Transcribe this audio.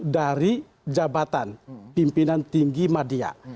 dari jabatan pimpinan tinggi media